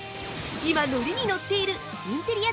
今ノリにノっているインテリア